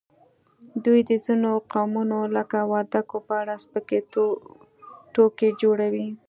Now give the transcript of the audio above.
دوی د ځینو قومونو لکه وردګو په اړه سپکې ټوکې جوړوي